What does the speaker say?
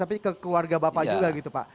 tapi ke keluarga bapak juga gitu pak